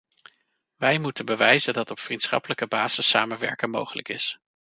Wij moeten bewijzen dat op vriendschappelijke basis samenwerken mogelijk is.